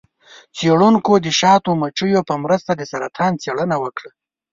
څیړونکو د شاتو مچیو په مرسته د سرطان څیړنه وکړه.